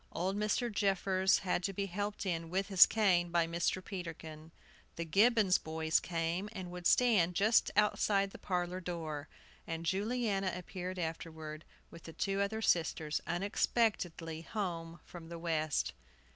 Old Mr. Jeffers had to be helped in, with his cane, by Mr. Peterkin. The Gibbons boys came, and would stand just outside the parlor door. And Juliana appeared afterward, with the two other sisters, unexpectedly home from the West.